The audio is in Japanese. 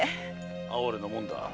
哀れなものだ。